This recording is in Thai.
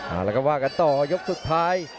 แล้วก็ว่ากันต่อยกสุดท้าย